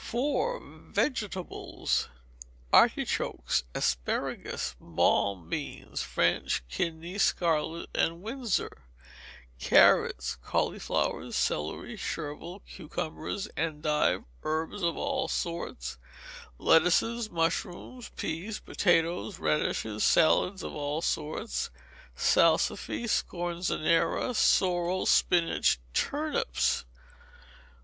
iv. Vegetables. Artichokes, asparagus, balm, beans (French, kidney, scarlet, and Windsor), carrots, cauliflowers, celery, chervil, cucumbers, endive, herbs of all sorts, lettuces, mushrooms, peas, potatoes, radishes, salads of all sorts, salsify, scorzonera, sorrel, spinach, turnips.